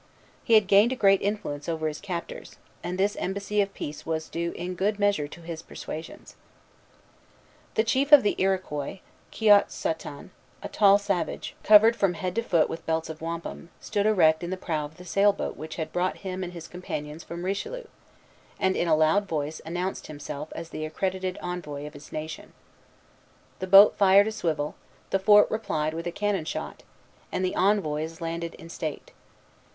He had gained a great influence over his captors, and this embassy of peace was due in good measure to his persuasions. Marie de l'Incarnation, Lettre, 14 Sept., 1645. The chief of the Iroquois, Kiotsaton, a tall savage, covered from head to foot with belts of wampum, stood erect in the prow of the sail boat which had brought him and his companions from Richelieu, and in a loud voice announced himself as the accredited envoy of his nation. The boat fired a swivel, the fort replied with a cannon shot, and the envoys landed in state.